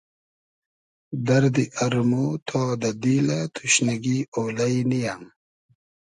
دئردی ارمۉ تا دۂ دیلۂ توشنیگی اۉلݷ نییۂ